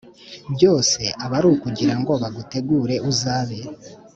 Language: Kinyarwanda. byose abarukugirango bagutegure uzabe